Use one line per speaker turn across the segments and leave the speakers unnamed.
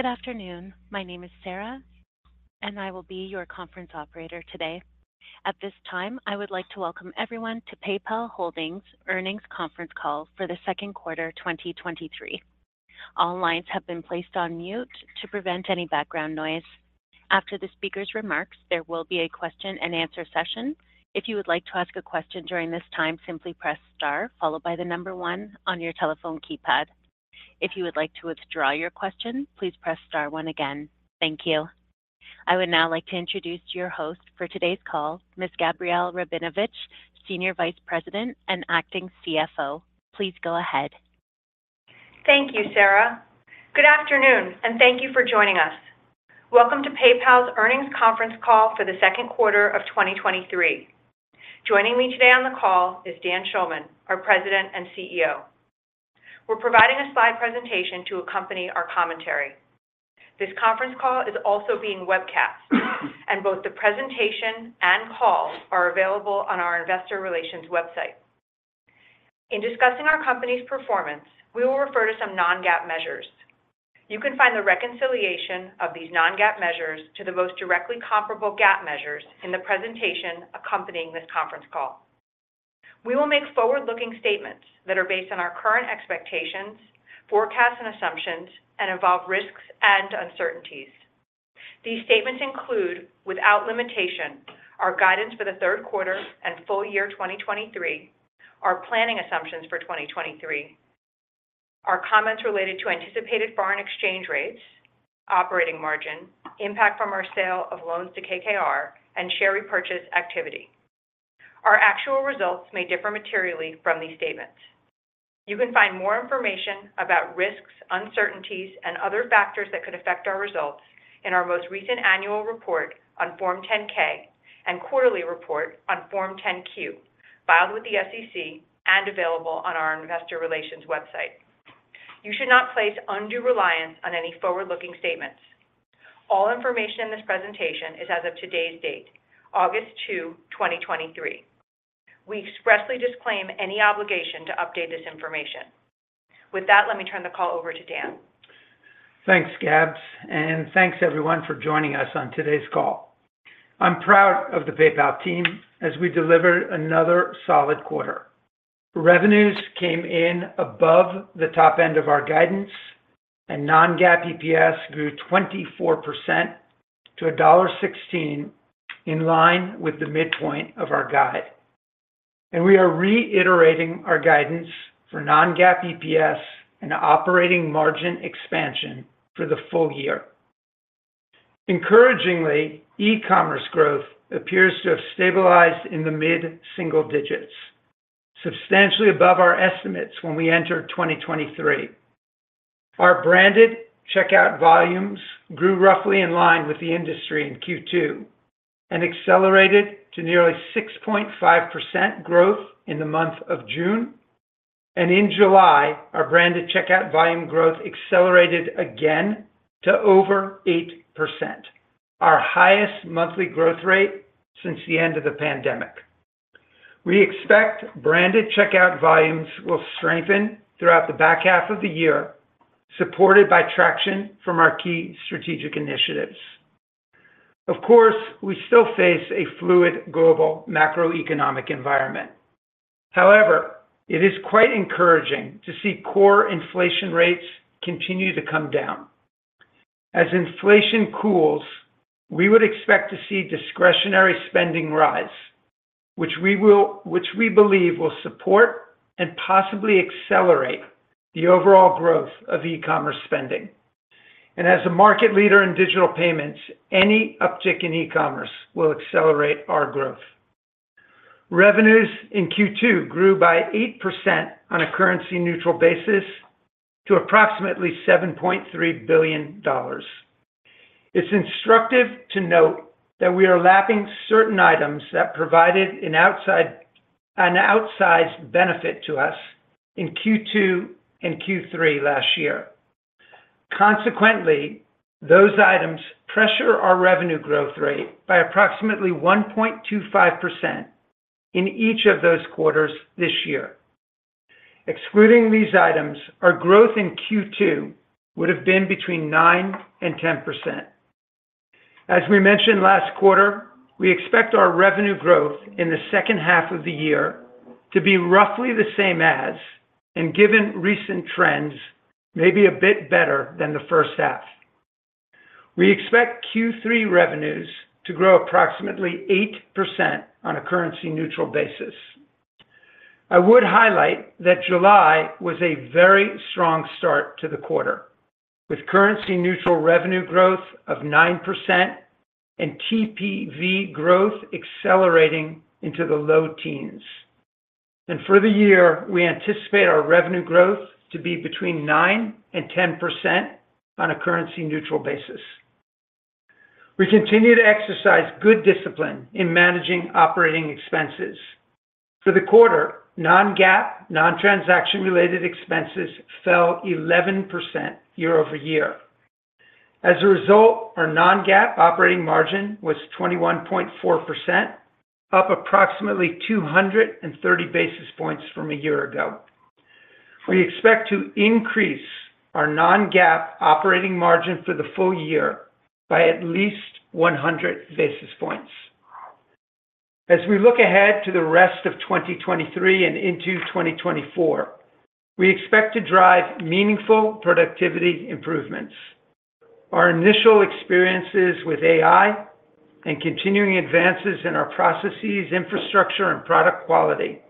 Good afternoon. My name is Sarah. I will be your conference operator today. At this time, I would like to welcome everyone to PayPal Holdings Earnings Conference Call for the Q2 2023. All lines have been placed on mute to prevent any background noise. After the speaker's remarks, there will be a question and answer session. If you would like to ask a question during this time, simply press star followed by 1 on your telephone keypad. If you would like to withdraw your question, please press star 1 again. Thank you. I would now like to introduce your host for today's call, Ms. Gabrielle Rabinovitch, Senior Vice President and Acting CFO. Please go ahead.
Thank you, Sarah. Good afternoon, thank you for joining us. Welcome to PayPal's Earnings Conference Call for the Q2 of 2023. Joining me today on the call is Dan Schulman, our President and CEO. We're providing a slide presentation to accompany our commentary. This conference call is also being webcast, both the presentation and call are available on our investor relations website. In discussing our company's performance, we will refer to some non-GAAP measures. You can find the reconciliation of these non-GAAP measures to the most directly comparable GAAP measures in the presentation accompanying this conference call. We will make forward-looking statements that are based on our current expectations, forecasts, and assumptions, involve risks and uncertainties. These statements include, without limitation, our guidance for the Q3 and full year 2023, our planning assumptions for 2023, our comments related to anticipated foreign exchange rates, operating margin, impact from our sale of loans to KKR, and share repurchase activity. Our actual results may differ materially from these statements. You can find more information about risks, uncertainties, and other factors that could affect our results in our most recent annual report on Form 10-K and quarterly report on Form 10-Q, filed with the SEC and available on our investor relations website. You should not place undue reliance on any forward-looking statements. All information in this presentation is as of today's date, August 2, 2023. We expressly disclaim any obligation to update this information. With that, let me turn the call over to Dan.
Thanks, Gabs, thanks everyone for joining us on today's call. I'm proud of the PayPal team as we delivered another solid quarter. Revenues came in above the top end of our guidance, and non-GAAP EPS grew 24% to $1.16, in line with the midpoint of our guide. We are reiterating our guidance for non-GAAP EPS and operating margin expansion for the full year. Encouragingly, e-commerce growth appears to have stabilized in the mid-single digits, substantially above our estimates when we entered 2023. Our branded checkout volumes grew roughly in line with the industry in Q2 and accelerated to nearly 6.5% growth in the month of June. In July, our branded checkout volume growth accelerated again to over 8%, our highest monthly growth rate since the end of the pandemic. We expect branded checkout volumes will strengthen throughout the back half of the year, supported by traction from our key strategic initiatives. Of course, we still face a fluid global macroeconomic environment. However, it is quite encouraging to see core inflation rates continue to come down. As inflation cools, we would expect to see discretionary spending rise, which we believe will support and possibly accelerate the overall growth of e-commerce spending. As a market leader in digital payments, any uptick in e-commerce will accelerate our growth. Revenues in Q2 grew by 8% on a currency neutral basis to approximately $7.3 billion. It's instructive to note that we are lapping certain items that provided an outsized benefit to us in Q2 and Q3 last year. Consequently, those items pressure our revenue growth rate by approximately 1.25% in each of those quarters this year. Excluding these items, our growth in Q2 would have been between 9%-10%. As we mentioned last quarter, we expect our revenue growth in the second half of the year to be roughly the same as, and given recent trends, maybe a bit better than the first half. We expect Q3 revenues to grow approximately 8% on a currency neutral basis. I would highlight that July was a very strong start to the quarter, with currency neutral revenue growth of 9% and TPV growth accelerating into the low teens. For the year, we anticipate our revenue growth to be between 9%-10% on a currency neutral basis. We continue to exercise good discipline in managing operating expenses. For the quarter, non-GAAP, non-transaction-related expenses fell 11% year-over-year. As a result, our non-GAAP operating margin was 21.4%. up approximately 230 basis points from a year ago. We expect to increase our non-GAAP operating margin for the full year by at least 100 basis points. As we look ahead to the rest of 2023 and into 2024, we expect to drive meaningful productivity improvements. Our initial experiences with AI and continuing advances in our processes, infrastructure, and product quality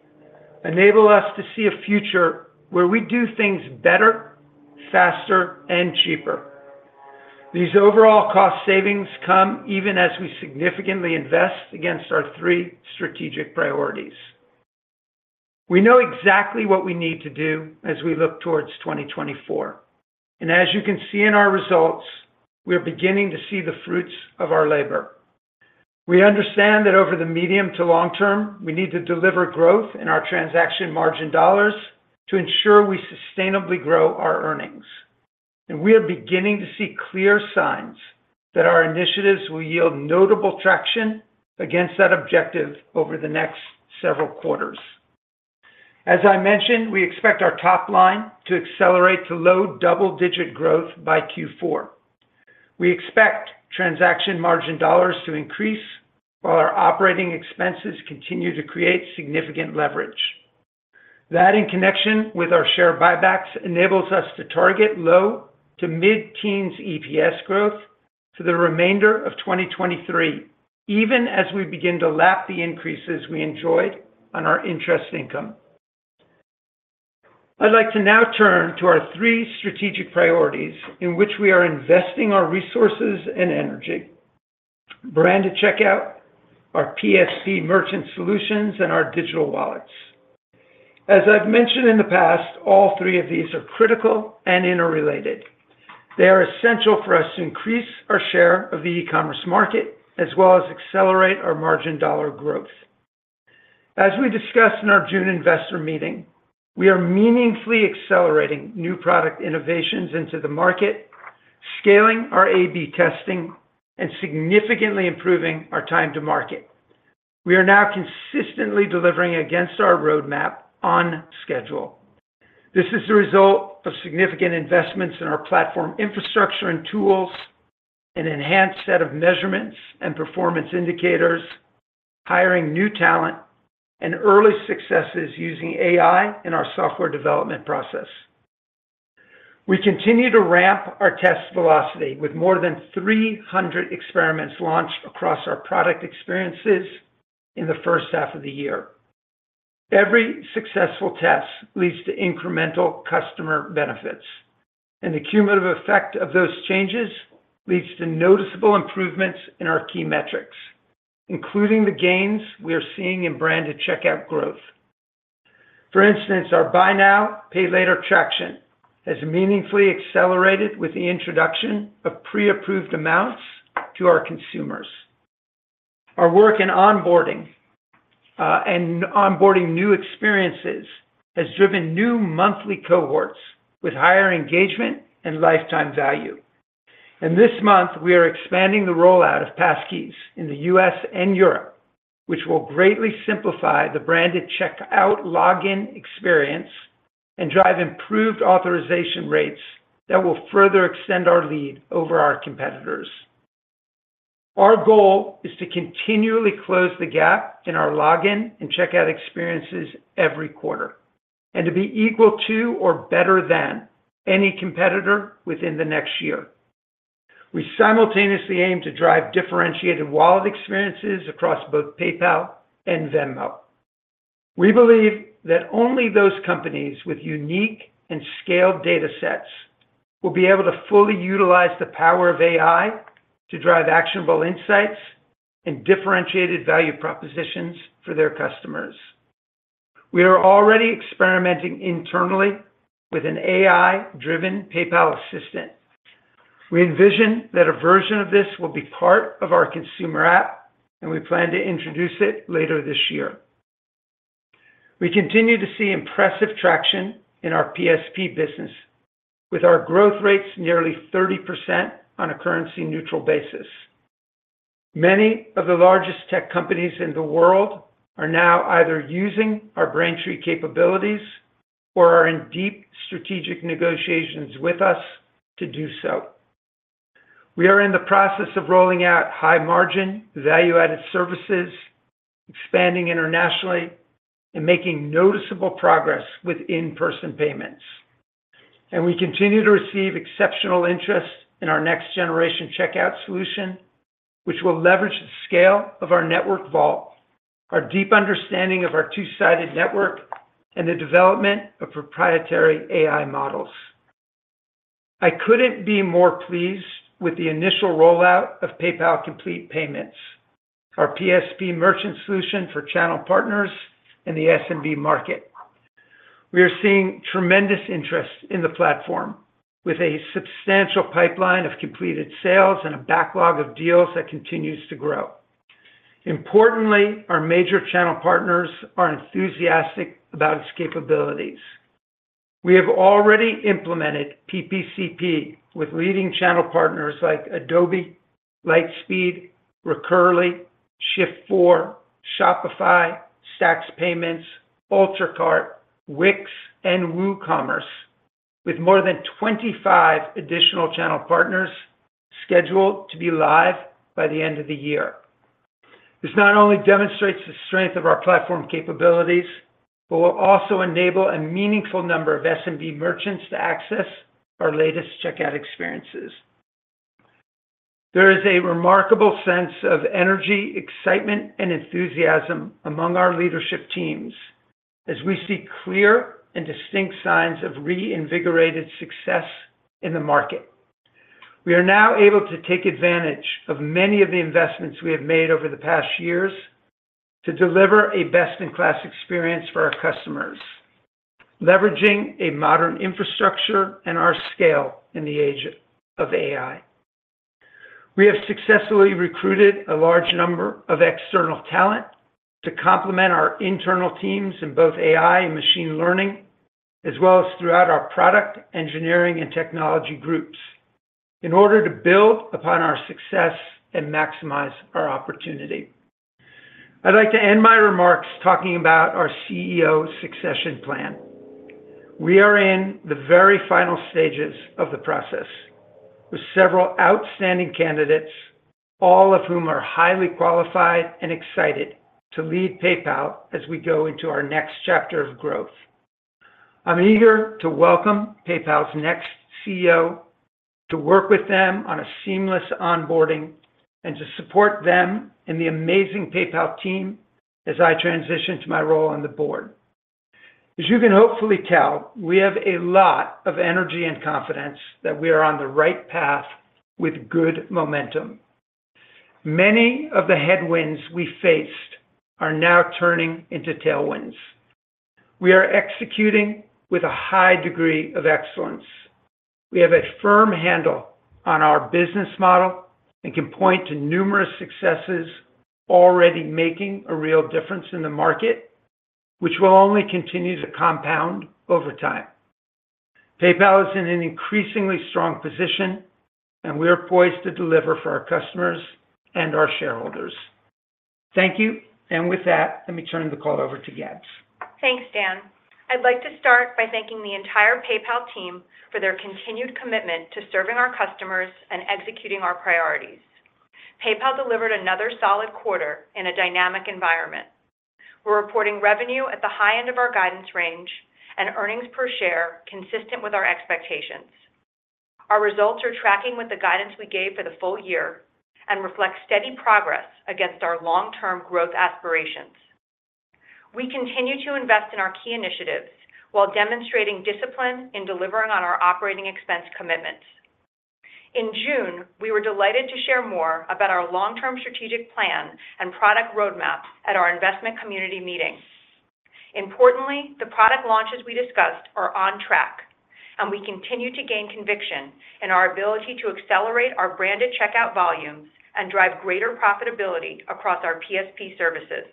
enable us to see a future where we do things better, faster, and cheaper. These overall cost savings come even as we significantly invest against our three strategic priorities. We know exactly what we need to do as we look towards 2024, and as you can see in our results, we are beginning to see the fruits of our labor. We understand that over the medium to long term, we need to deliver growth in our transaction margin dollars to ensure we sustainably grow our earnings. We are beginning to see clear signs that our initiatives will yield notable traction against that objective over the next several quarters. As I mentioned, we expect our top line to accelerate to low double-digit growth by Q4. We expect transaction margin dollars to increase, while our operating expenses continue to create significant leverage. That, in connection with our share buybacks, enables us to target low to mid-teens EPS growth for the remainder of 2023, even as we begin to lap the increases we enjoyed on our interest income. I'd like to now turn to our three strategic priorities in which we are investing our resources and energy: Branded checkout, our PSP merchant solutions, and our digital wallets. As I've mentioned in the past, all three of these are critical and interrelated. They are essential for us to increase our share of the e-commerce market, as well as accelerate our margin dollar growth. As we discussed in our June investor meeting, we are meaningfully accelerating new product innovations into the market, scaling our AB testing, and significantly improving our time to market. We are now consistently delivering against our roadmap on schedule. This is the result of significant investments in our platform infrastructure and tools, an enhanced set of measurements and performance indicators, hiring new talent, and early successes using AI in our software development process. We continue to ramp our test velocity with more than 300 experiments launched across our product experiences in the first half of the year. Every successful test leads to incremental customer benefits, and the cumulative effect of those changes leads to noticeable improvements in our key metrics, including the gains we are seeing in branded checkout growth. For instance, our buy now, pay later traction has meaningfully accelerated with the introduction of pre-approved amounts to our consumers. Our work in onboarding and onboarding new experiences has driven new monthly cohorts with higher engagement and lifetime value. This month, we are expanding the rollout of Passkeys in the US and Europe, which will greatly simplify the branded checkout login experience and drive improved authorization rates that will further extend our lead over our competitors. Our goal is to continually close the gap in our login and checkout experiences every quarter, and to be equal to or better than any competitor within the next year. We simultaneously aim to drive differentiated wallet experiences across both PayPal and Venmo. We believe that only those companies with unique and scaled datasets will be able to fully utilize the power of AI to drive actionable insights and differentiated value propositions for their customers. We are already experimenting internally with an AI-driven PayPal Assistant. We envision that a version of this will be part of our consumer app, and we plan to introduce it later this year. We continue to see impressive traction in our PSP business, with our growth rates nearly 30% on a currency-neutral basis. Many of the largest tech companies in the world are now either using our Braintree capabilities or are in deep strategic negotiations with us to do so. We are in the process of rolling out high-margin, value-added services, expanding internationally, and making noticeable progress with in-person payments. We continue to receive exceptional interest in our next generation checkout solution, which will leverage the scale of our network vault, our deep understanding of our two-sided network, and the development of proprietary AI models. I couldn't be more pleased with the initial rollout of PayPal Complete Payments, our PSP merchant solution for channel partners in the SMB market. We are seeing tremendous interest in the platform, with a substantial pipeline of completed sales and a backlog of deals that continues to grow. Importantly, our major channel partners are enthusiastic about its capabilities. We have already implemented PPCP with leading channel partners like Adobe, Lightspeed, Recurly, Shift4, Shopify, Stax Payments, UltraCart, Wix, and WooCommerce, with more than 25 additional channel partners scheduled to be live by the end of the year. This not only demonstrates the strength of our platform capabilities, but will also enable a meaningful number of SMB merchants to access our latest checkout experiences. There is a remarkable sense of energy, excitement, and enthusiasm among our leadership teams as we see clear and distinct signs of reinvigorated success in the market. We are now able to take advantage of many of the investments we have made over the past years to deliver a best-in-class experience for our customers, leveraging a modern infrastructure and our scale in the age of AI. We have successfully recruited a large number of external talent to complement our internal teams in both AI and machine learning, as well as throughout our product, engineering, and technology groups, in order to build upon our success and maximize our opportunity. I'd like to end my remarks talking about our CEO succession plan. We are in the very final stages of the process, with several outstanding candidates, all of whom are highly qualified and excited to lead PayPal as we go into our next chapter of growth. I'm eager to welcome PayPal's next CEO, to work with them on a seamless onboarding, and to support them and the amazing PayPal team as I transition to my role on the board. As you can hopefully tell, we have a lot of energy and confidence that we are on the right path with good momentum. Many of the headwinds we faced are now turning into tailwinds. We are executing with a high degree of excellence. We have a firm handle on our business model and can point to numerous successes already making a real difference in the market, which will only continue to compound over time. PayPal is in an increasingly strong position, and we are poised to deliver for our customers and our shareholders. Thank you. With that, let me turn the call over to Gab.
Thanks, Dan. I'd like to start by thanking the entire PayPal team for their continued commitment to serving our customers and executing our priorities. PayPal delivered another solid quarter in a dynamic environment. We're reporting revenue at the high end of our guidance range and earnings per share consistent with our expectations. Our results are tracking with the guidance we gave for the full year and reflect steady progress against our long-term growth aspirations. We continue to invest in our key initiatives while demonstrating discipline in delivering on our operating expense commitments. In June, we were delighted to share more about our long-term strategic plan and product roadmap at our investment community meeting. Importantly, the product launches we discussed are on track, and we continue to gain conviction in our ability to accelerate our branded checkout volumes and drive greater profitability across our PSP services.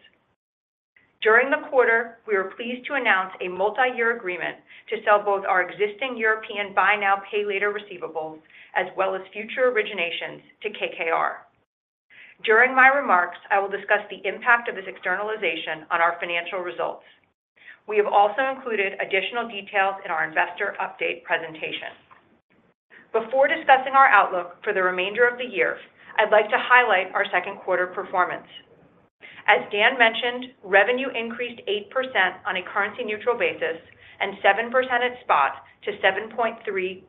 During the quarter, we were pleased to announce a multi-year agreement to sell both our existing European buy now, pay later receivables, as well as future originations to KKR. During my remarks, I will discuss the impact of this externalization on our financial results. We have also included additional details in our investor update presentation. Before discussing our outlook for the remainder of the year, I'd like to highlight our Q2 performance. As Dan mentioned, revenue increased 8% on a currency-neutral basis and 7% at spot to $7.3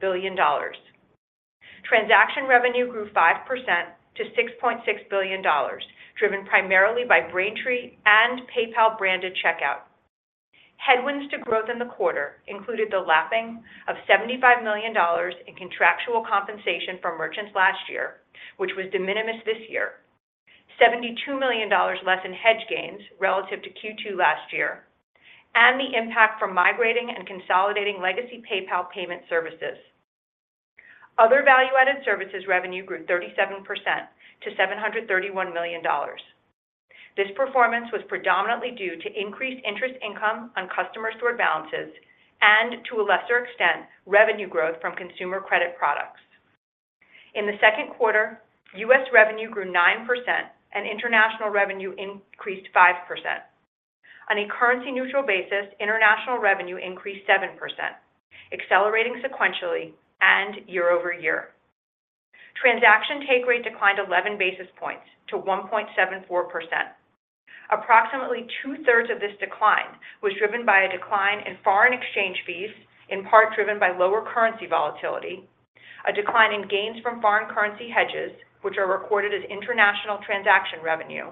billion. Transaction revenue grew 5% to $6.6 billion, driven primarily by Braintree and PayPal branded checkout. Headwinds to growth in the quarter included the lapping of $75 million in contractual compensation from merchants last year, which was de minimis this year. $72 million less in hedge gains relative to Q2 last year, and the impact from migrating and consolidating legacy PayPal payment services. Other value-added services revenue grew 37% to $731 million. This performance was predominantly due to increased interest income on customer stored balances and, to a lesser extent, revenue growth from consumer credit products. In the Q2, US revenue grew 9% and international revenue increased 5%. On a currency-neutral basis, international revenue increased 7%, accelerating sequentially and year-over-year. Transaction take rate declined 11 basis points to 1.74%. Approximately two-thirds of this decline was driven by a decline in foreign exchange fees, in part driven by lower currency volatility, a decline in gains from foreign currency hedges, which are recorded as international transaction revenue,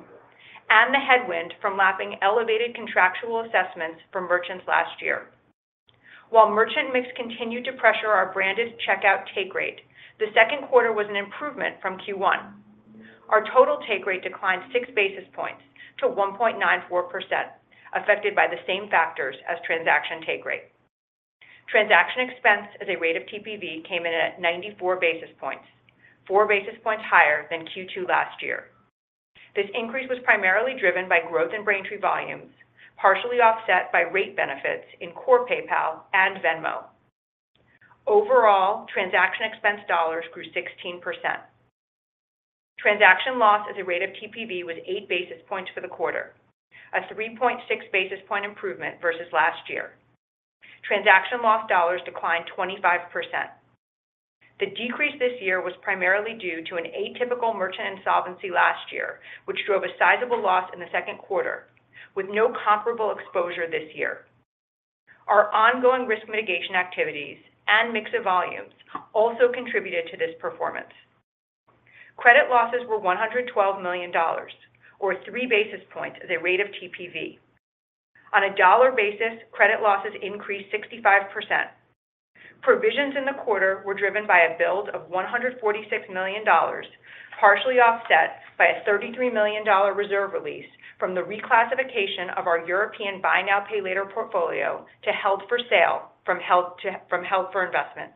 and the headwind from lapping elevated contractual assessments from merchants last year. While merchant mix continued to pressure our branded checkout take rate, the Q2 was an improvement from Q1. Our total take rate declined 6 basis points to 1.94%, affected by the same factors as transaction take rate. Transaction expense as a rate of TPV came in at 94 basis points, 4 basis points higher than Q2 last year. This increase was primarily driven by growth in Braintree volumes, partially offset by rate benefits in core PayPal and Venmo. Overall, transaction expense dollars grew 16%. Transaction loss as a rate of TPV was 8 basis points for the quarter, a 3.6 basis point improvement versus last year. Transaction loss dollars declined 25%. The decrease this year was primarily due to an atypical merchant insolvency last year, which drove a sizable loss in the Q2, with no comparable exposure this year. Our ongoing risk mitigation activities and mix of volumes also contributed to this performance. Credit losses were $112 million, or 3 basis points as a rate of TPV. On a dollar basis, credit losses increased 65%. Provisions in the quarter were driven by a build of $146 million, partially offset by a $33 million reserve release from the reclassification of our European buy now, pay later portfolio to held for sale from held for investment.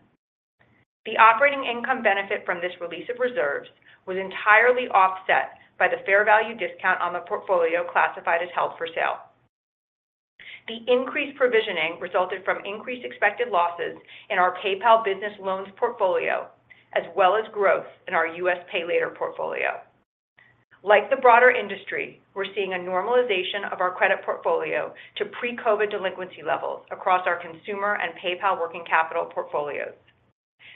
The operating income benefit from this release of reserves was entirely offset by the fair value discount on the portfolio classified as held for sale. The increased provisioning resulted from increased expected losses in our PayPal Business Loans portfolio, as well as growth in our US pay later portfolio. Like the broader industry, we're seeing a normalization of our credit portfolio to pre-COVID delinquency levels across our consumer and PayPal Working Capital portfolios.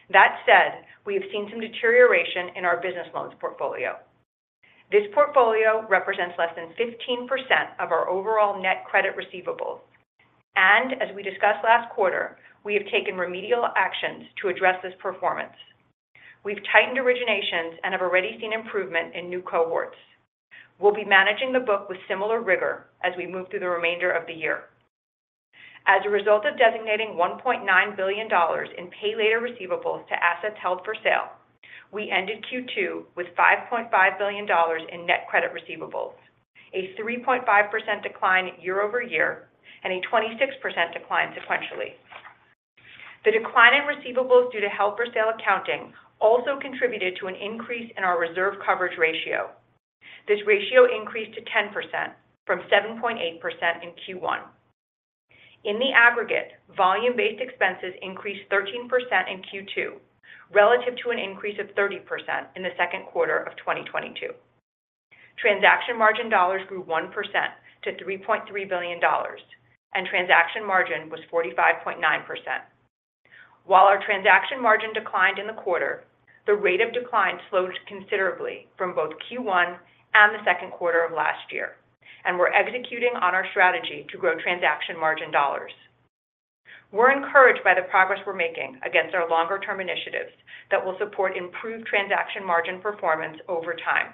That said, we have seen some deterioration in our business loans portfolio. This portfolio represents less than 15% of our overall net credit receivables, and as we discussed last quarter, we have taken remedial actions to address this performance. We've tightened originations and have already seen improvement in new cohorts. We'll be managing the book with similar rigor as we move through the remainder of the year. As a result of designating $1.9 billion in pay later receivables to assets held for sale, we ended Q2 with $5.5 billion in net credit receivables, a 3.5% decline year-over-year, and a 26% decline sequentially. The decline in receivables due to held for sale accounting also contributed to an increase in our reserve coverage ratio. This ratio increased to 10% from 7.8% in Q1. In the aggregate, volume-based expenses increased 13% in Q2, relative to an increase of 30% in the Q2 of 2022. Transaction margin dollars grew 1% to $3.3 billion, and transaction margin was 45.9%. While our transaction margin declined in the quarter, the rate of decline slowed considerably from both Q1 and the 2Q of last year, and we're executing on our strategy to grow transaction margin $. We're encouraged by the progress we're making against our longer-term initiatives that will support improved transaction margin performance over time.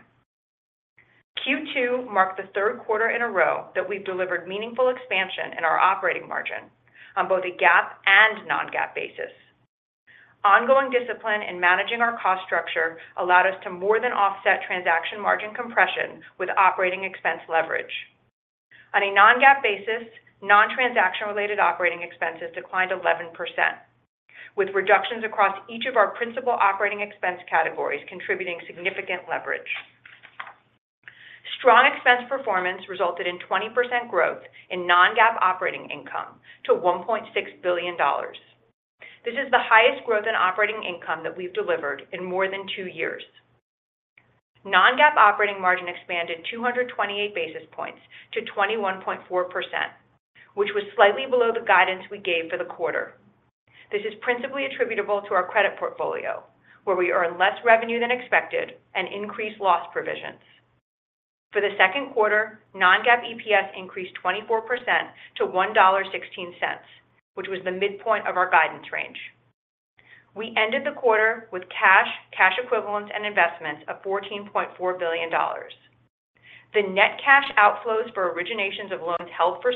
Q2 marked the 3Q in a row that we've delivered meaningful expansion in our operating margin on both a GAAP and non-GAAP basis. Ongoing discipline in managing our cost structure allowed us to more than offset transaction margin compression with operating expense leverage. On a non-GAAP basis, non-transaction related operating expenses declined 11%, with reductions across each of our principal operating expense categories contributing significant leverage. Strong expense performance resulted in 20% growth in non-GAAP operating income to $1.6 billion. This is the highest growth in operating income that we've delivered in more than two years. Non-GAAP operating margin expanded 228 basis points to 21.4%, which was slightly below the guidance we gave for the quarter. This is principally attributable to our credit portfolio, where we earn less revenue than expected and increased loss provisions. For the Q2, non-GAAP EPS increased 24% to $1.16, which was the midpoint of our guidance range. We ended the quarter with cash, cash equivalents, and investments of $14.4 billion. The net cash outflows for originations of loans held for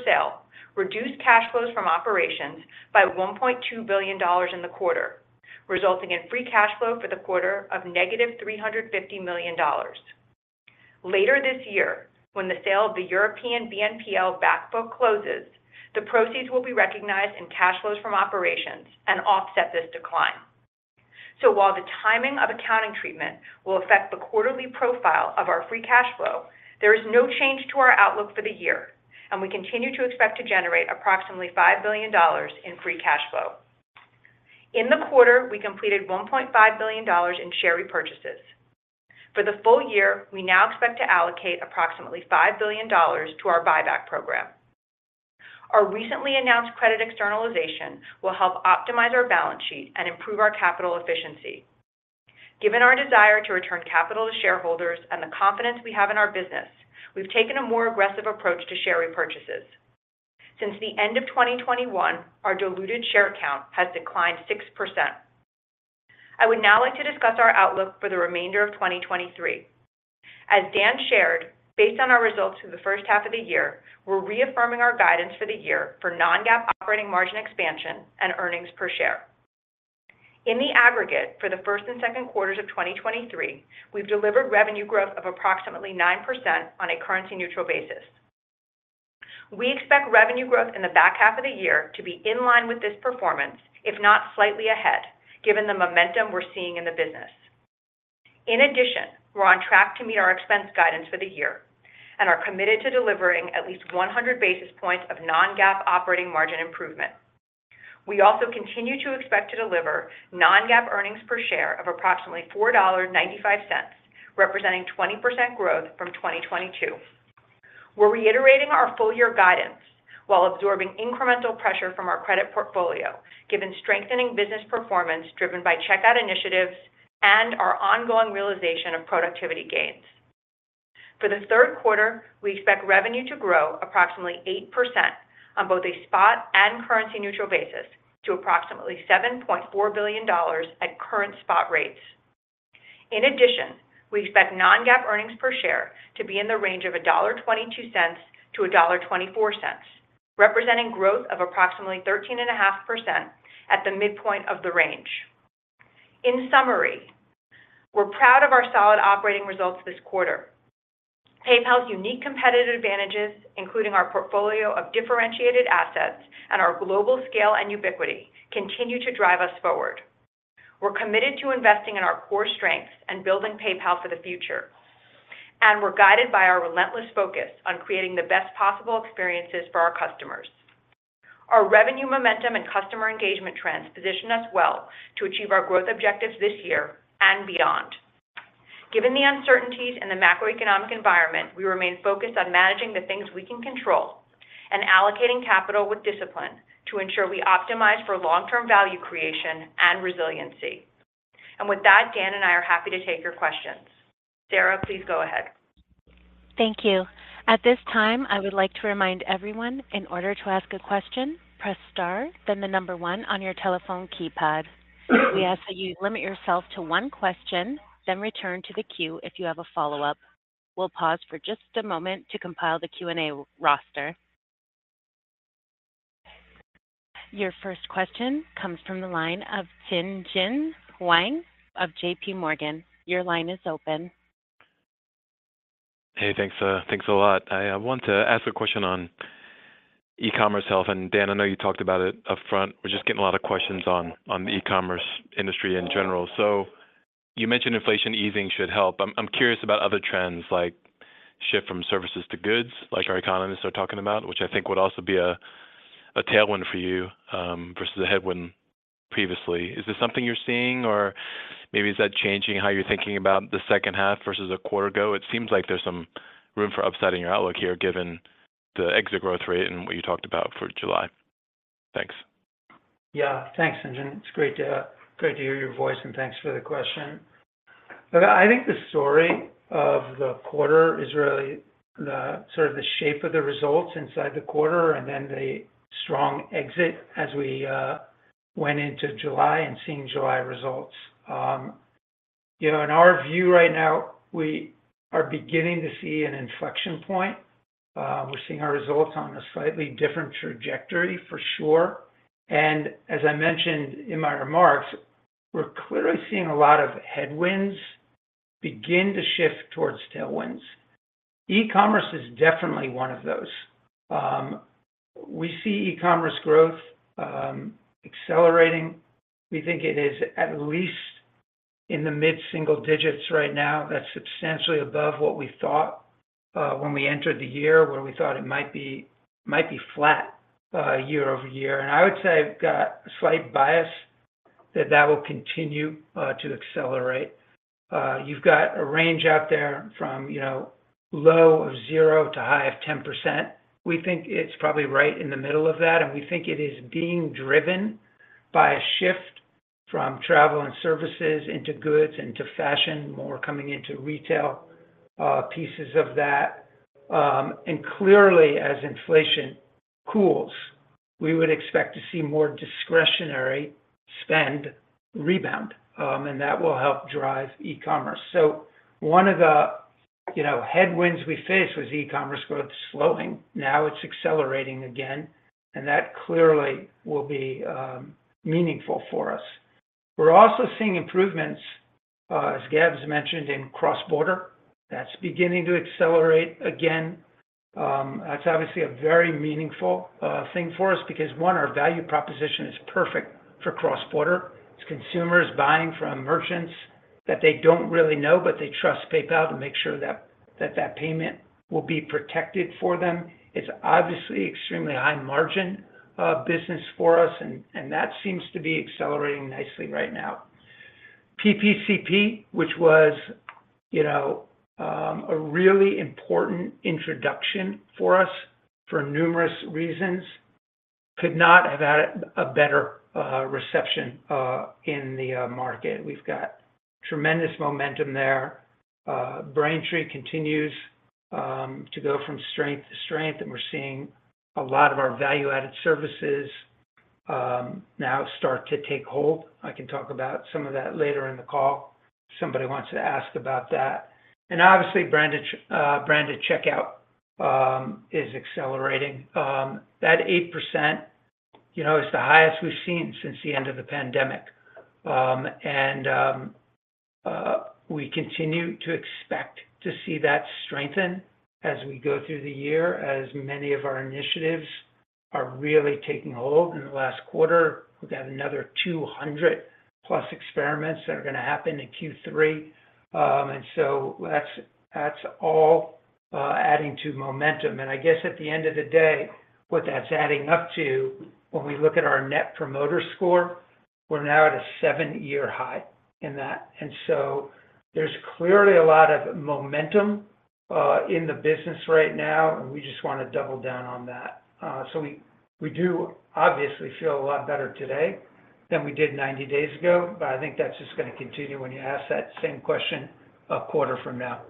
sale reduced cash flows from operations by $1.2 billion in the quarter, resulting in free cash flow for the quarter of negative $350 million. Later this year, when the sale of the European BNPL back book closes, the proceeds will be recognized in cash flows from operations and offset this decline. While the timing of accounting treatment will affect the quarterly profile of our free cash flow, there is no change to our outlook for the year, and we continue to expect to generate approximately $5 billion in free cash flow. In the quarter, we completed $1.5 billion in share repurchases. For the full year, we now expect to allocate approximately $5 billion to our buyback program. Our recently announced credit externalization will help optimize our balance sheet and improve our capital efficiency. Given our desire to return capital to shareholders and the confidence we have in our business, we've taken a more aggressive approach to share repurchases. Since the end of 2021, our diluted share count has declined 6%. I would now like to discuss our outlook for the remainder of 2023. As Dan shared, based on our results for the first half of the year, we're reaffirming our guidance for the year for non-GAAP operating margin expansion and earnings per share. In the aggregate, for the first and Q2 of 2023, we've delivered revenue growth of approximately 9% on a currency-neutral basis. We expect revenue growth in the back half of the year to be in line with this performance, if not slightly ahead, given the momentum we're seeing in the business. In addition, we're on track to meet our expense guidance for the year, and are committed to delivering at least 100 basis points of non-GAAP operating margin improvement. We also continue to expect to deliver non-GAAP earnings per share of approximately $4.95, representing 20% growth from 2022. We're reiterating our full year guidance while absorbing incremental pressure from our credit portfolio, given strengthening business performance, driven by checkout initiatives and our ongoing realization of productivity gains. For the Q3, we expect revenue to grow approximately 8% on both a spot and currency-neutral basis to approximately $7.4 billion at current spot rates. In addition, we expect non-GAAP earnings per share to be in the range of $1.22-$1.24, representing growth of approximately 13.5% at the midpoint of the range. In summary, we're proud of our solid operating results this quarter. PayPal's unique competitive advantages, including our portfolio of differentiated assets and our global scale and ubiquity, continue to drive us forward. We're committed to investing in our core strengths and building PayPal for the future, and we're guided by our relentless focus on creating the best possible experiences for our customers. Our revenue momentum and customer engagement trends position us well to achieve our growth objectives this year and beyond. Given the uncertainties in the macroeconomic environment, we remain focused on managing the things we can control and allocating capital with discipline to ensure we optimize for long-term value creation and resiliency. With that, Dan and I are happy to take your questions. Sarah, please go ahead.
Thank you. At this time, I would like to remind everyone, in order to ask a question, press Star, then 1 on your telephone keypad. We ask that you limit yourself to one question, then return to the queue if you have a follow-up. We'll pause for just a moment to compile the Q&A roster. Your first question comes from the line of Tien-Tsin Huang of JP Morgan. Your line is open.
Hey, thanks, thanks a lot. I want to ask a question on e-commerce health. Dan, I know you talked about it upfront. We're just getting a lot of questions on, on the e-commerce industry in general. You mentioned inflation easing should help. I'm, I'm curious about other trends, like shift from services to goods, like our economists are talking about, which I think would also be a, a tailwind for you versus a headwind previously. Is this something you're seeing, or maybe is that changing how you're thinking about the second half versus a quarter ago? It seems like there's some room for upsetting your outlook here, given the exit growth rate and what you talked about for July. Thanks.
Yeah. Thanks, Tien-Tsin. It's great to, great to hear your voice, and thanks for the question. Look, I think the story of the quarter is really the sort of the shape of the results inside the quarter and then the strong exit as we went into July and seeing July results. You know, in our view right now, we are beginning to see an inflection point. We're seeing our results on a slightly different trajectory, for sure. As I mentioned in my remarks, we're clearly seeing a lot of headwinds begin to shift towards tailwinds. E-commerce is definitely one of those. We see e-commerce growth accelerating. We think it is at least in the mid-single digits right now. That's substantially above what we thought when we entered the year, where we thought it might be, might be flat year-over-year. I would say I've got a slight bias that that will continue to accelerate. You've got a range out there from, you know, low of 0 to high of 10%. We think it's probably right in the middle of that, and we think it is being driven by a shift from travel and services into goods, into fashion, more coming into retail, pieces of that. Clearly, as inflation cools, we would expect to see more discretionary spend rebound, and that will help drive e-commerce. One of the, you know, headwinds we faced was e-commerce growth slowing. Now it's accelerating again, and that clearly will be meaningful for us. We're also seeing improvements, as Gab has mentioned, in cross-border. That's beginning to accelerate again. That's obviously a very meaningful thing for us because, one, our value proposition is perfect for cross-border. It's consumers buying from merchants that they don't really know, but they trust PayPal to make sure that, that payment will be protected for them. It's obviously extremely high margin business for us, and that seems to be accelerating nicely right now. PPCP, which was, you know, a really important introduction for us for numerous reasons, could not have had a better reception in the market. We've got tremendous momentum there. Braintree continues to go from strength to strength, and we're seeing a lot of our value-added services now start to take hold. I can talk about some of that later in the call, if somebody wants to ask about that. Obviously, branded branded checkout is accelerating. That 8%. You know, it's the highest we've seen since the end of the pandemic. We continue to expect to see that strengthen as we go through the year, as many of our initiatives are really taking hold. In the last quarter, we've had another 200+ experiments that are going to happen in Q3. That's, that's all adding to momentum. I guess at the end of the day, what that's adding up to, when we look at our NPS, we're now at a seven-year high in that. There's clearly a lot of momentum in the business right now, and we just want to double down on that. We, we do obviously feel a lot better today than we did 90 days ago, but I think that's just going to continue when you ask that same question a quarter from now.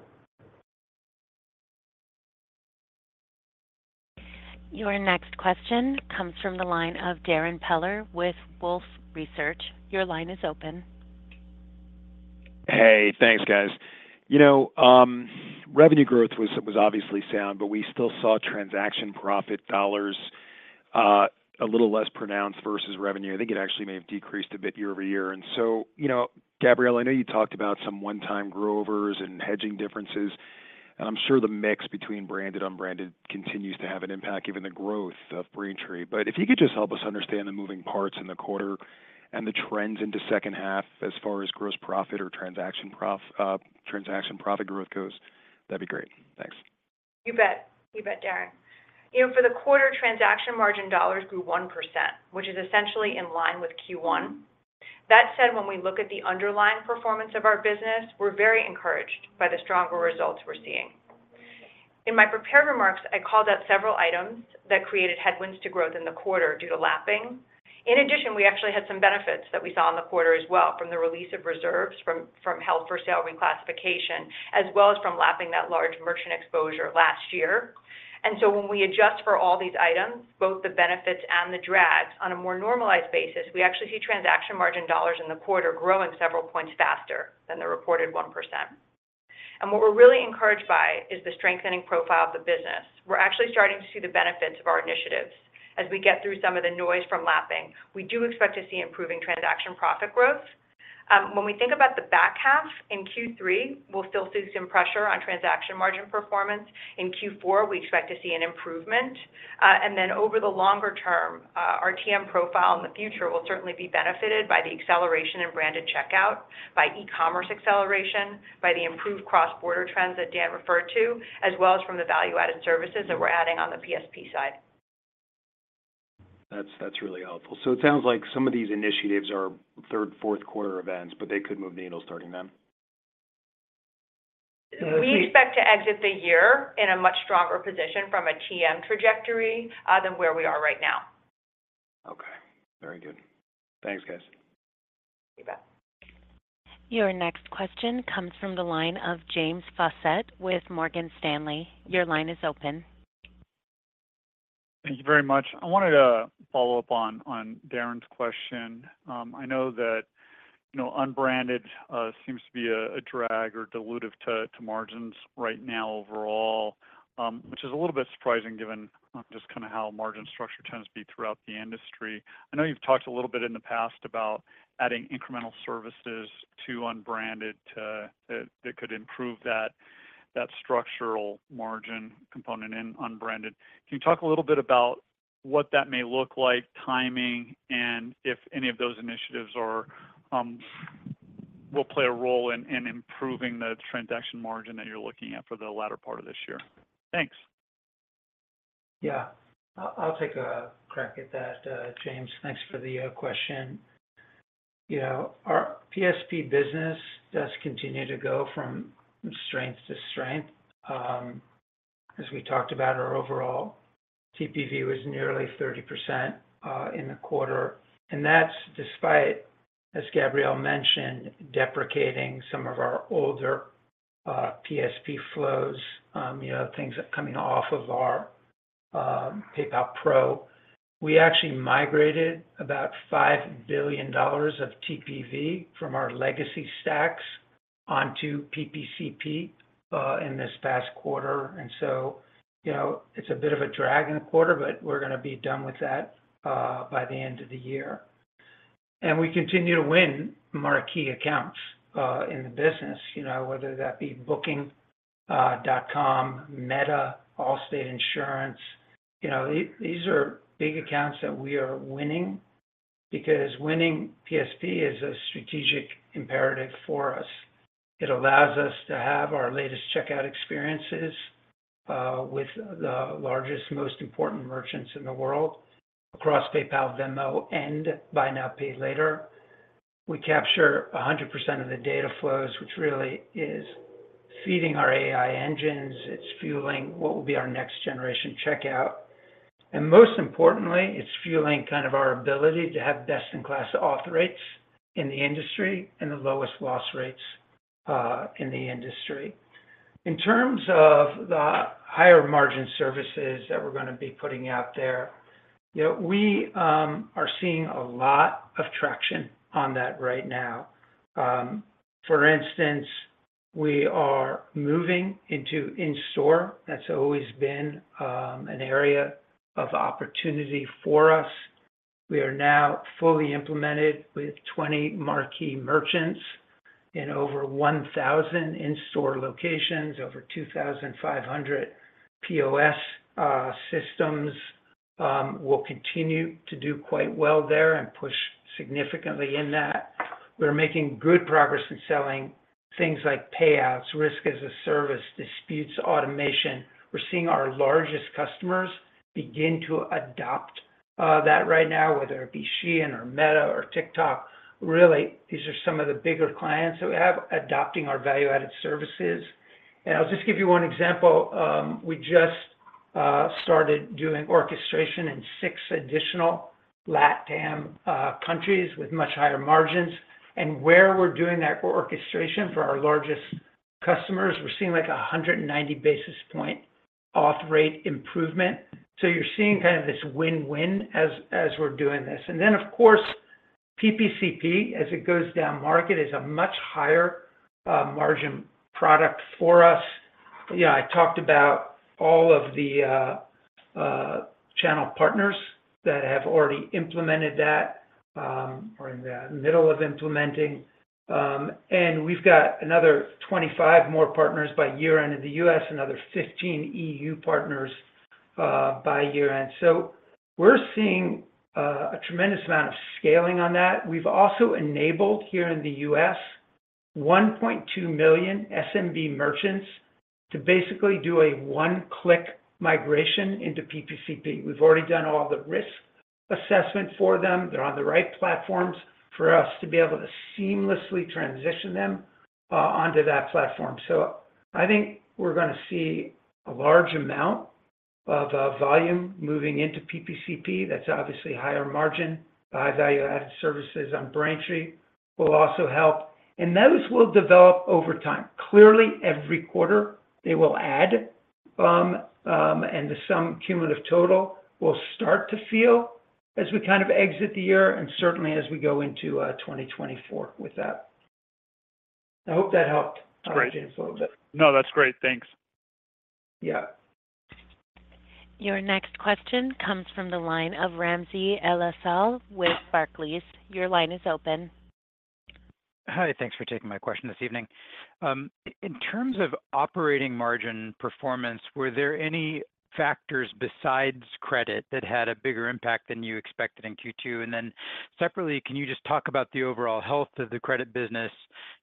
Your next question comes from the line of Darrin Peller with Wolfe Research. Your line is open.
Hey, thanks, guys. You know, revenue growth was, was obviously sound, but we still saw transaction profit dollars, a little less pronounced versus revenue. I think it actually may have decreased a bit year-over-year. So, you know, Gabrielle, I know you talked about some one-time growers and hedging differences, and I'm sure the mix between branded, unbranded continues to have an impact, given the growth of Braintree. If you could just help us understand the moving parts in the quarter and the trends into second half as far as gross profit or transaction profit growth goes, that'd be great. Thanks.
You bet. You bet, Darren. You know, for the quarter, transaction margin dollars grew 1%, which is essentially in line with Q1. That said, when we look at the underlying performance of our business, we're very encouraged by the stronger results we're seeing. In my prepared remarks, I called out several items that created headwinds to growth in the quarter due to lapping. In addition, we actually had some benefits that we saw in the quarter as well from the release of reserves, from held for sale reclassification, as well as from lapping that large merchant exposure last year. When we adjust for all these items, both the benefits and the drags, on a more normalized basis, we actually see transaction margin dollars in the quarter growing several points faster than the reported 1%. What we're really encouraged by is the strengthening profile of the business. We're actually starting to see the benefits of our initiatives. As we get through some of the noise from lapping, we do expect to see improving transaction profit growth. When we think about the back half, in Q3, we'll still see some pressure on transaction margin performance. In Q4, we expect to see an improvement. Over the longer term, our TM profile in the future will certainly be benefited by the acceleration in branded checkout, by e-commerce acceleration, by the improved cross-border trends that Dan referred to, as well as from the value-added services that we're adding on the PSP side.
That's, that's really helpful. It sounds like some of these initiatives are third, Q4 events, but they could move the needle starting then?
We expect to exit the year in a much stronger position from a TM trajectory, than where we are right now.
Okay, very good. Thanks, guys.
You bet.
Your next question comes from the line of James Faucette with Morgan Stanley. Your line is open.
Thank you very much. I wanted to follow up on, on Darren's question. I know that, you know, unbranded seems to be a drag or dilutive to margins right now overall, which is a little bit surprising given just kind of how margin structure tends to be throughout the industry. I know you've talked a little bit in the past about adding incremental services to unbranded that could improve that, that structural margin component in unbranded. Can you talk a little bit about what that may look like, timing, and if any of those initiatives are, will play a role in improving the transaction margin that you're looking at for the latter part of this year? Thanks.
Yeah. I, I'll take a crack at that, James. Thanks for the question. You know, our PSP business does continue to go from strength to strength. As we talked about, our overall TPV was nearly 30% in the quarter, that's despite, as Gabrielle mentioned, deprecating some of our older PSP flows, you know, things coming off of our PayPal Pro. We actually migrated about $5 billion of TPV from our legacy stacks onto PPCP in this past quarter. You know, it's a bit of a drag in the quarter, but we're going to be done with that by the end of the year. We continue to win marquee accounts in the business, you know, whether that be Booking.com, Meta, Allstate Insurance. You know, these are big accounts that we are winning, because winning PSP is a strategic imperative for us. It allows us to have our latest checkout experiences with the largest, most important merchants in the world across PayPal, Venmo, and buy now, pay later. We capture 100% of the data flows, which really is feeding our AI engines. It's fueling what will be our next generation checkout. Most importantly, it's fueling kind of our ability to have best-in-class auth rates in the industry and the lowest loss rates in the industry. In terms of the higher margin services that we're gonna be putting out there, you know, we are seeing a lot of traction on that right now. For instance. We are moving into in-store. That's always been an area of opportunity for us. We are now fully implemented with 20 marquee merchants in over 1,000 in-store locations, over 2,500 POS systems. We'll continue to do quite well there and push significantly in that. We're making good progress in selling things like payouts, risk-as-a-service, disputes, automation. We're seeing our largest customers begin to adopt that right now, whether it be SHEIN or Meta or TikTok. Really, these are some of the bigger clients that we have adopting our value-added services. I'll just give you 1 example. We just started doing orchestration in 6 additional LatAm countries with much higher margins. Where we're doing that orchestration for our largest customers, we're seeing, like, 190 basis point auth rate improvement. You're seeing kind of this win-win as, as we're doing this. Of course, PPCP, as it goes down market, is a much higher margin product for us. I talked about all of the channel partners that have already implemented that or in the middle of implementing. We've got another 25 more partners by year-end in the US, another 15 EU partners by year-end. We're seeing a tremendous amount of scaling on that. We've also enabled, here in the US, 1.2 million SMB merchants to basically do a one-click migration into PPCP. We've already done all the risk assessment for them. They're on the right platforms for us to be able to seamlessly transition them onto that platform. I think we're gonna see a large amount of volume moving into PPCP. That's obviously higher margin. Value-added services on Braintree will also help, and those will develop over time. Clearly, every quarter, they will add, and the sum cumulative total will start to feel as we kind of exit the year and certainly as we go into 2024 with that. I hope that helped. Great. James, a little bit. No, that's great. Thanks. Yeah.
Your next question comes from the line of Ramsey El-Assal with Barclays. Your line is open.
Hi, thanks for taking my question this evening. In terms of operating margin performance, were there any factors besides credit that had a bigger impact than you expected in Q2? Then separately, can you just talk about the overall health of the credit business?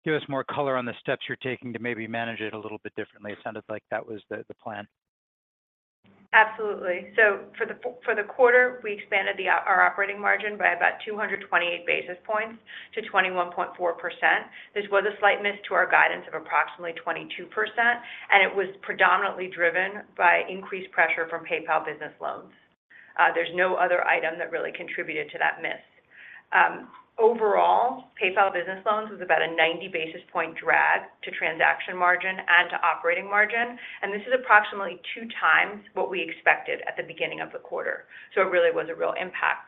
Give us more color on the steps you're taking to maybe manage it a little bit differently. It sounded like that was the plan.
Absolutely. For the quarter, we expanded our operating margin by about 228 basis points to 21.4%. This was a slight miss to our guidance of approximately 22%, and it was predominantly driven by increased pressure from PayPal Business Loans. There's no other item that really contributed to that miss. Overall, PayPal Business Loans was about a 90 basis point drag to transaction margin and to operating margin, and this is approximately 2 times what we expected at the beginning of the quarter. It really was a real impact.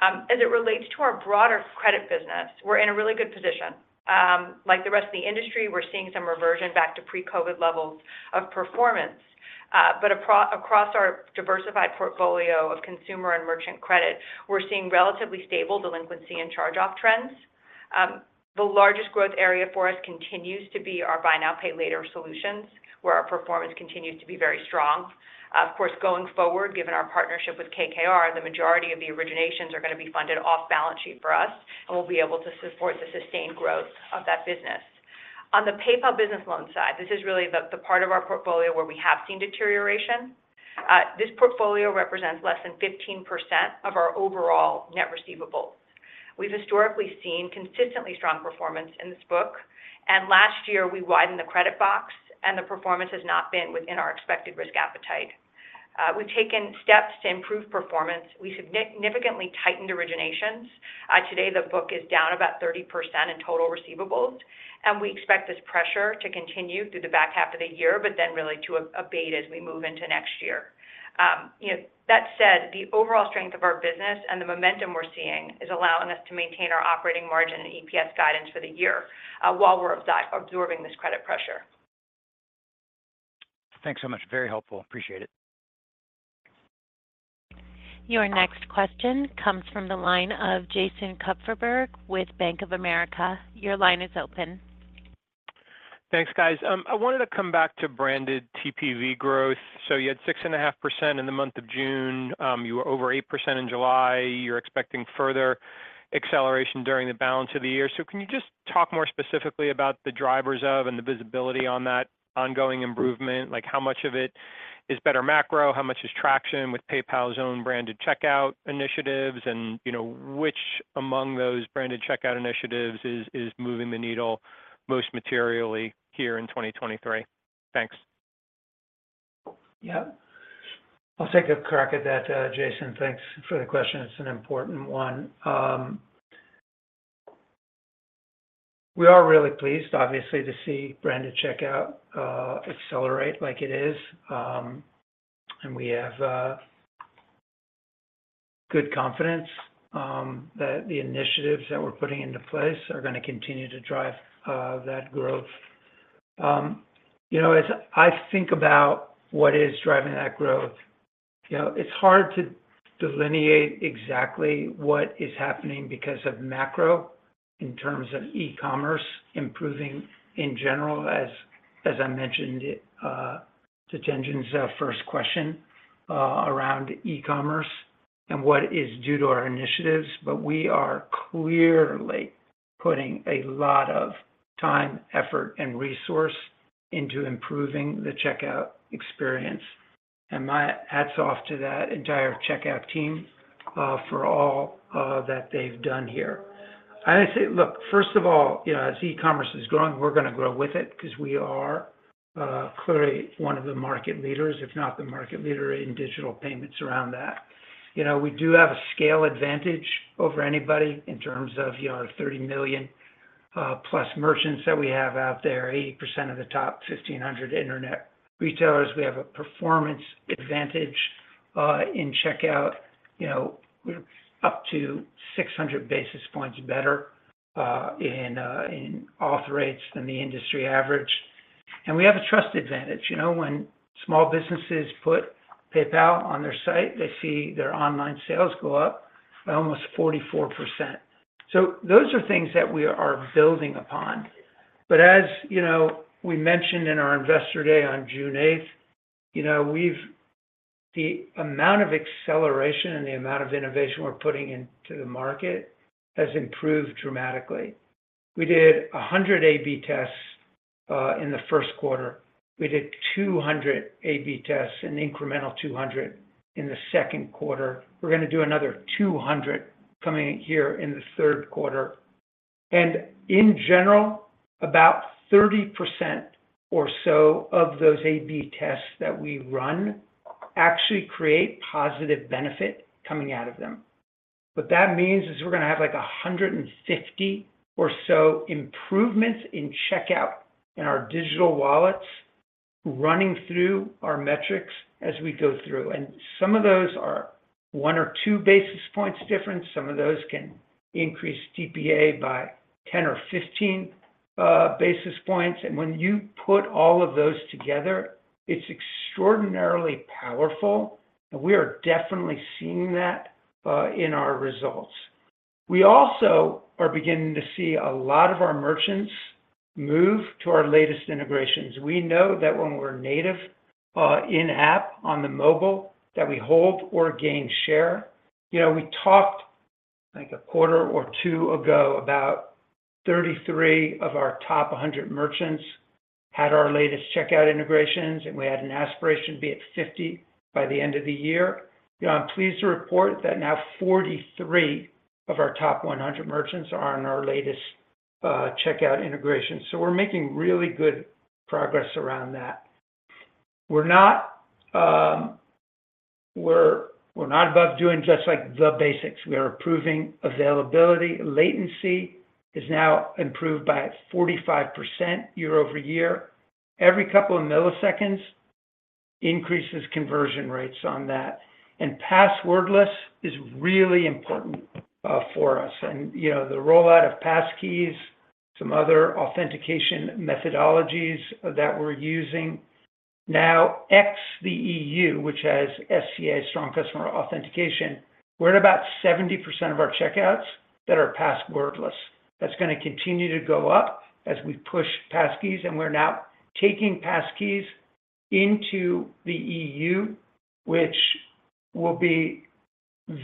As it relates to our broader credit business, we're in a really good position. Like the rest of the industry, we're seeing some reversion back to pre-COVID levels of performance. Across our diversified portfolio of consumer and merchant credit, we're seeing relatively stable delinquency and charge-off trends. The largest growth area for us continues to be our buy now, pay later solutions, where our performance continues to be very strong. Of course, going forward, given our partnership with KKR, the majority of the originations are gonna be funded off balance sheet for us, and we'll be able to support the sustained growth of that business. On the PayPal Business Loans side, this is really the part of our portfolio where we have seen deterioration. This portfolio represents less than 15% of our overall net receivables. We've historically seen consistently strong performance in this book, and last year, we widened the credit box, and the performance has not been within our expected risk appetite. We've taken steps to improve performance. We significantly tightened originations. Today, the book is down about 30% in total receivables, and we expect this pressure to continue through the back half of the year, but then really to abate as we move into next year. You know, that said, the overall strength of our business and the momentum we're seeing is allowing us to maintain our operating margin and EPS guidance for the year, while we're absorbing this credit pressure.
Thanks so much. Very helpful. Appreciate it.
Your next question comes from the line of Jason Kupferberg with Bank of America. Your line is open.
Thanks, guys. I wanted to come back to branded TPV growth. You had 6.5% in the month of June. You were over 8% in July. You're expecting further acceleration during the balance of the year. Can you just talk more specifically about the drivers of and the visibility on that ongoing improvement? Like, how much of it is better macro, how much is traction with PayPal's own branded checkout initiatives, and, you know, which among those branded checkout initiatives is moving the needle most materially here in 2023? Thanks.
Yeah. I'll take a crack at that, Jason. Thanks for the question. It's an important one. We are really pleased, obviously, to see branded checkout accelerate like it is. And we have. good confidence, that the initiatives that we're putting into place are going to continue to drive that growth. You know, as I think about what is driving that growth, you know, it's hard to delineate exactly what is happening because of macro in terms of e-commerce improving in general, as I mentioned it, to Tien-Tsin's first question, around e-commerce and what is due to our initiatives. We are clearly putting a lot of time, effort, and resource into improving the checkout experience. My hats off to that entire checkout team for all that they've done here. I'd say, look, first of all, you know, as e-commerce is growing, we're going to grow with it because we are clearly one of the market leaders, if not the market leader in digital payments around that. You know, we do have a scale advantage over anybody in terms of, you know, 30 million plus merchants that we have out there, 80% of the top 1,500 Internet retailers. We have a performance advantage in checkout, you know, we're up to 600 basis points better in auth rates than the industry average. We have a trust advantage. You know, when small businesses put PayPal on their site, they see their online sales go up by almost 44%. Those are things that we are building upon. As you know, we mentioned in our Investor Day on June 8th, you know, the amount of acceleration and the amount of innovation we're putting into the market has improved dramatically. We did 100 A/B tests in the Q1. We did 200 A/B tests, an incremental 200 in the 2Q. We're going to do another 200 coming here in the 3Q. In general, about 30% or so of those A/B tests that we run actually create positive benefit coming out of them. What that means is we're going to have, like, 150 or so improvements in checkout in our digital wallets running through our metrics as we go through, and some of those are 1 or 2 basis points different. Some of those can increase TPA by 10 or 15 basis points. When you put all of those together, it's extraordinarily powerful, and we are definitely seeing that in our results. We also are beginning to see a lot of our merchants move to our latest integrations. We know that when we're native, in-app on the mobile, that we hold or gain share. You know, we talked like a quarter or two ago, about 33 of our top 100 merchants had our latest checkout integrations, and we had an aspiration to be at 50 by the end of the year. I'm pleased to report that now 43 of our top 100 merchants are on our latest, checkout integration. We're making really good progress around that. We're not about doing just like the basics. We are improving availability. Latency is now improved by 45% year-over-year. Every couple of milliseconds increases conversion rates on that. Passwordless is really important for us. You know, the rollout of pass keys, some other authentication methodologies that we're using now, X the EU, which has SCA, strong customer authentication, we're at about 70% of our checkouts that are passwordless. That's going to continue to go up as we push pass keys, and we're now taking pass keys into the EU, which will be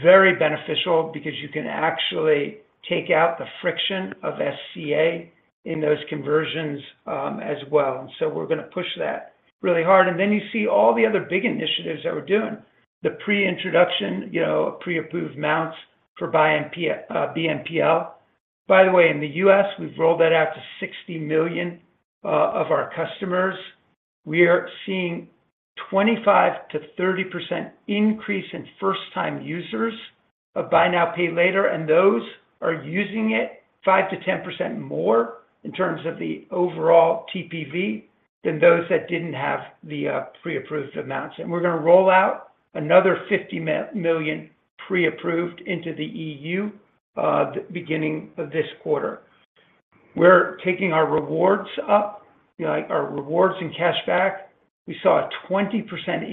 very beneficial because you can actually take out the friction of SCA in those conversions as well. We're going to push that really hard. Then you see all the other big initiatives that we're doing. The pre-introduction, you know, pre-approved amounts for buy and BNPL. By the way, in the US, we've rolled that out to 60 million of our customers. We are seeing 25%-30% increase in first-time users of buy now, pay later, and those are using it 5%-10% more in terms of the overall TPV than those that didn't have the pre-approved amounts. We're going to roll out another 50 million pre-approved into the EU the beginning of this quarter. We're taking our rewards up, you know, our rewards and cashback. We saw a 20%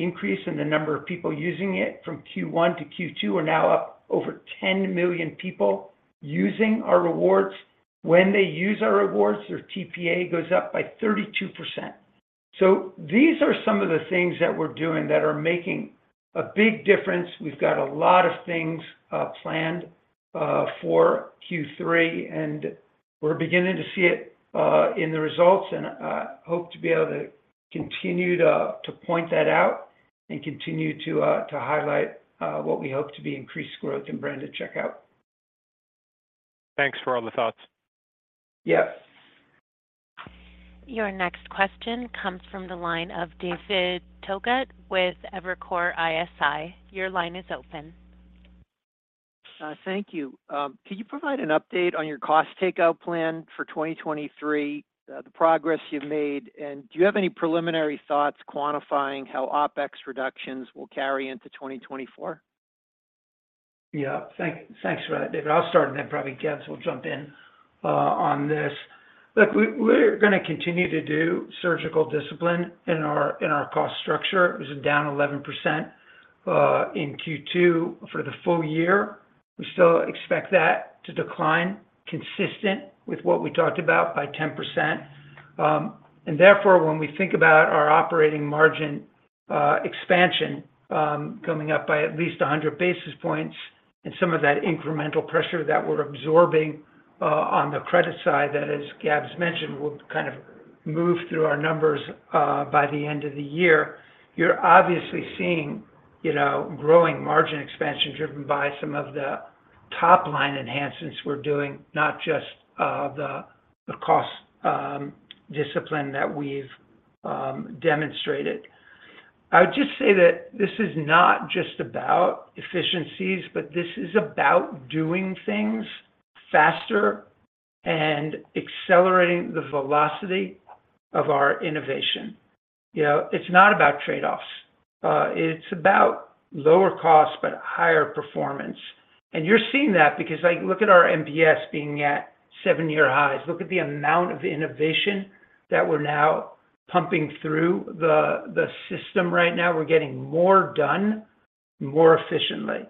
increase in the number of people using it from Q1 to Q2, are now up over 10 million people using our rewards. When they use our rewards, their TPA goes up by 32%. These are some of the things that we're doing that are making a big difference. We've got a lot of things planned for Q3, and we're beginning to see it in the results, and hope to be able to continue to point that out and continue to highlight what we hope to be increased growth in branded checkout.
Thanks for all the thoughts.
Yes.
Your next question comes from the line of David Togut with Evercore ISI. Your line is open. ...
thank you. Can you provide an update on your cost takeout plan for 2023, the progress you've made? Do you have any preliminary thoughts quantifying how OpEx reductions will carry into 2024?
Yeah. Thank, thanks for that, David. I'll start, and then probably Gabs will jump in on this. Look, we're gonna continue to do surgical discipline in our, in our cost structure. It was down 11% in Q2. For the full year, we still expect that to decline, consistent with what we talked about by 10%. And therefore, when we think about our operating margin expansion, coming up by at least 100 basis points and some of that incremental pressure that we're absorbing on the credit side, that, as Gabs mentioned, will kind of move through our numbers by the end of the year. You're obviously seeing, you know, growing margin expansion driven by some of the top-line enhancements we're doing, not just the, the cost discipline that we've demonstrated. I would just say that this is not just about efficiencies, but this is about doing things faster and accelerating the velocity of our innovation. You know, it's not about trade-offs. It's about lower cost, but higher performance. You're seeing that because, like, look at our NPS being at seven-year highs. Look at the amount of innovation that we're now pumping through the, the system right now. We're getting more done more efficiently.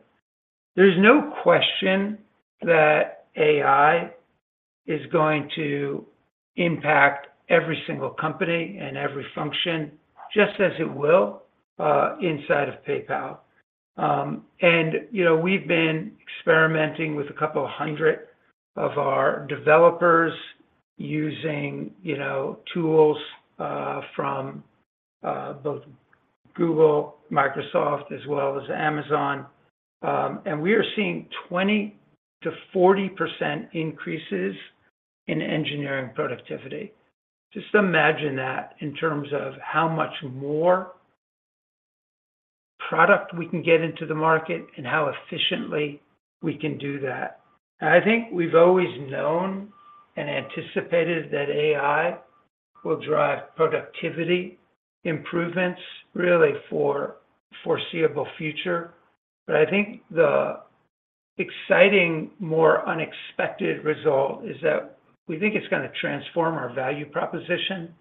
There's no question that AI is going to impact every single company and every function, just as it will inside of PayPal. You know, we've been experimenting with 200 of our developers using, you know, tools from both Google, Microsoft, as well as Amazon. We are seeing 20%-40% increases in engineering productivity. Just imagine that in terms of how much more product we can get into the market and how efficiently we can do that. I think we've always known and anticipated that AI will drive productivity improvements, really, for foreseeable future. But I think the exciting, more unexpected result is that we think it's gonna transform our value proposition,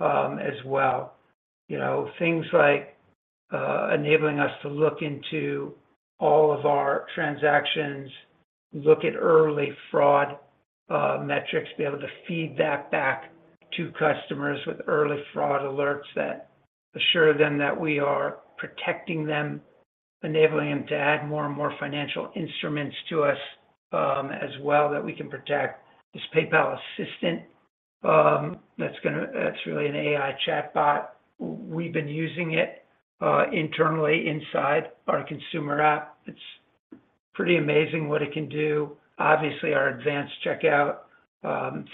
as well. You know, things like enabling us to look into all of our transactions, look at early fraud, metrics, be able to feed that back to customers with early fraud alerts that assure them that we are protecting them. Enabling them to add more and more financial instruments to us, as well, that we can protect this PayPal assistant. That's really an AI chatbot. We've been using it internally inside our consumer app. It's pretty amazing what it can do. Obviously, our advanced checkout,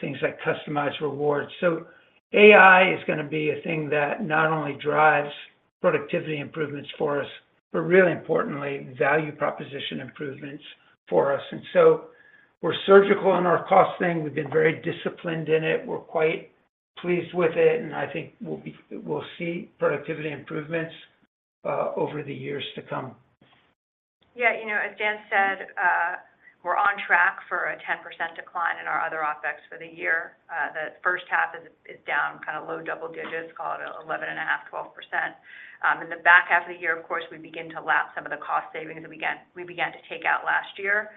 things like customized rewards. AI is gonna be a thing that not only drives productivity improvements for us, but really importantly, value proposition improvements for us. We're surgical in our costing. We've been very disciplined in it. We're quite pleased with it, and I think we'll see productivity improvements over the years to come.
Yeah, you know, as Dan said, we're on track for a 10% decline in our other OpEx for the year. The first half is, is down kind of low double digits, call it 11.5%-12%. In the back half of the year, of course, we begin to lap some of the cost savings that we began, we began to take out last year.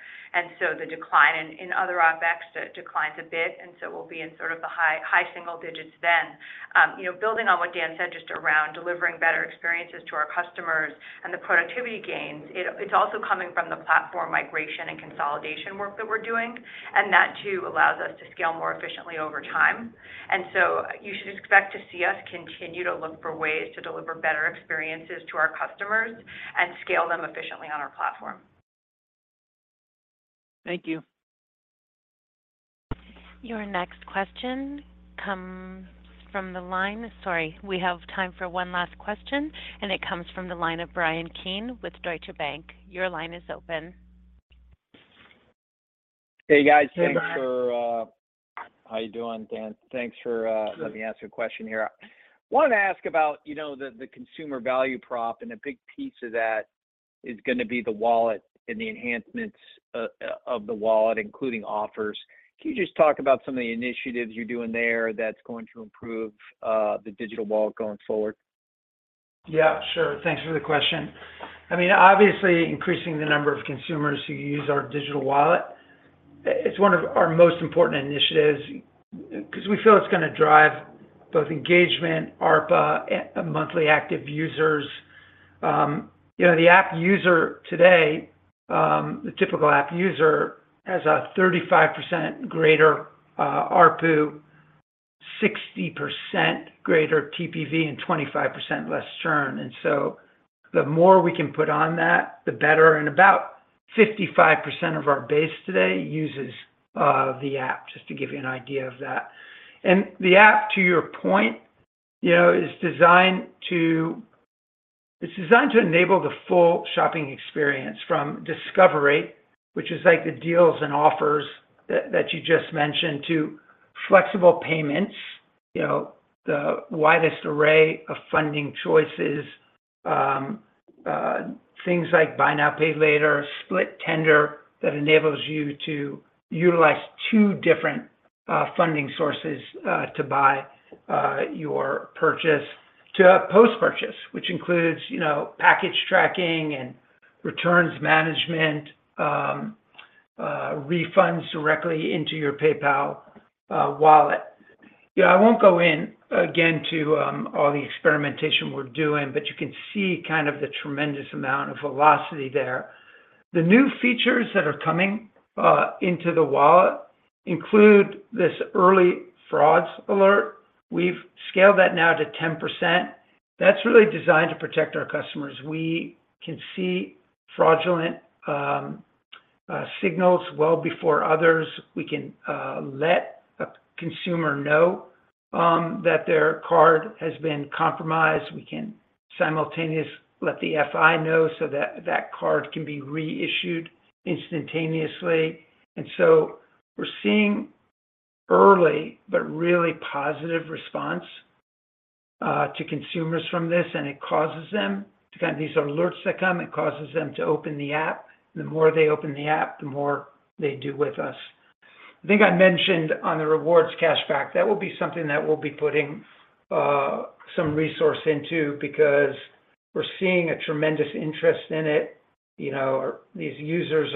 So the decline in, in other OpEx declines a bit, and so we'll be in sort of the high, high single digits then. You know, building on what Dan said, just around delivering better experiences to our customers and the productivity gains, it's also coming from the platform migration and consolidation work that we're doing, and that too allows us to scale more efficiently over time. You should expect to see us continue to look for ways to deliver better experiences to our customers and scale them efficiently on our platform.
Thank you.
Your next question comes from the line... Sorry, we have time for one last question, and it comes from the line of Bryan Keane with Deutsche Bank. Your line is open.
Hey, guys.
Hey, Brian.
Thanks for. How you doing, Dan? Thanks for.
Good.
let me ask you a question here. I wanted to ask about, you know, the, the consumer value prop, and a big piece of that is gonna be the wallet and the enhancements o- of the wallet, including offers. Can you just talk about some of the initiatives you're doing there that's going to improve the digital wallet going forward?
Yeah, sure. Thanks for the question. I mean, obviously, increasing the number of consumers who use our digital wallet, it's one of our most important initiatives, because we feel it's gonna drive both engagement, ARPA, and monthly active users. You know, the app user today, the typical app user has a 35% greater ARPU, 60% greater TPV, and 25% less churn. The more we can put on that, the better. About 55% of our base today uses the app, just to give you an idea of that. The app, to your point, you know, is designed to. It's designed to enable the full shopping experience from discovery, which is like the deals and offers that, that you just mentioned, to flexible payments, you know, the widest array of funding choices. things like buy now, pay later, split tender, that enables you to utilize two different funding sources to buy your purchase. To post-purchase, which includes, you know, package tracking and returns management, refunds directly into your PayPal wallet. Yeah, I won't go in again to all the experimentation we're doing, but you can see kind of the tremendous amount of velocity there. The new features that are coming into the wallet include this early frauds alert. We've scaled that now to 10%. That's really designed to protect our customers. We can see fraudulent signals well before others. We can let a consumer know that their card has been compromised. We can simultaneously let the FI know so that that card can be reissued instantaneously. We're seeing early but really positive response to consumers from this, and it causes them, again, these are alerts that come, it causes them to open the app. The more they open the app, the more they do with us. I think I mentioned on the rewards cashback, that will be something that we'll be putting some resource into because we're seeing a tremendous interest in it. You know, these users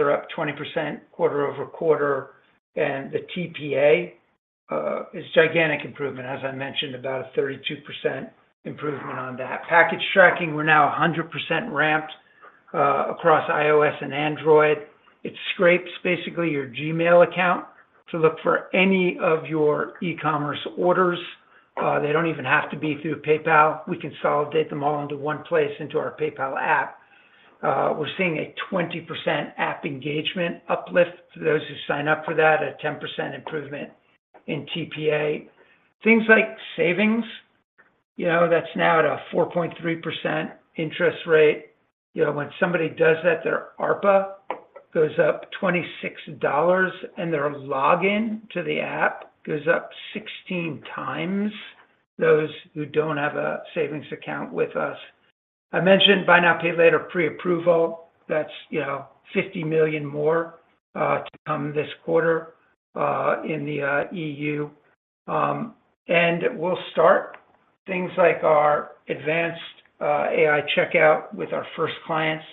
are up 20% quarter-over-quarter, and the TPA is gigantic improvement, as I mentioned, about a 32% improvement on that. Package tracking, we're now 100% ramped across iOS and Android. It scrapes basically your Gmail account to look for any of your e-commerce orders. They don't even have to be through PayPal. We consolidate them all into one place, into our PayPal app. We're seeing a 20% app engagement uplift for those who sign up for that, a 10% improvement in TPA. Things like savings, you know, that's now at a 4.3% interest rate. You know, when somebody does that, their ARPA goes up $26, and their login to the app goes up 16 times, those who don't have a savings account with us. I mentioned buy now, pay later, pre-approval. That's, you know, $50 million more to come this quarter in the EU. And we'll start things like our advanced AI checkout with our first clients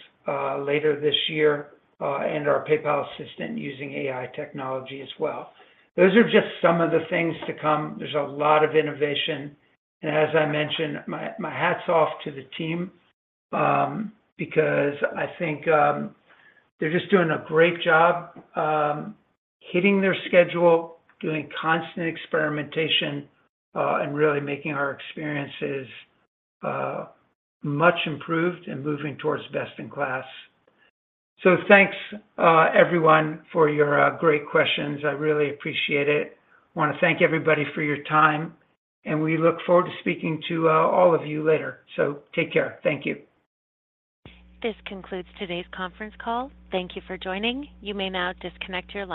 later this year, and our PayPal assistant using AI technology as well. Those are just some of the things to come. There's a lot of innovation. As I mentioned, my, my hats off to the team, because I think they're just doing a great job, hitting their schedule, doing constant experimentation, and really making our experiences much improved and moving towards best in class. Thanks everyone, for your great questions. I really appreciate it. I want to thank everybody for your time, and we look forward to speaking to all of you later. Take care. Thank you.
This concludes today's conference call. Thank you for joining. You may now disconnect your line.